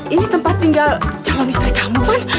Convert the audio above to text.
ini tempat tinggal calon istri kamu kan